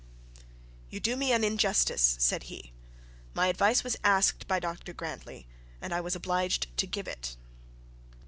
'You do me an injustice,' said he. 'My advice was asked by Dr Grantly, and I was obliged to give it.'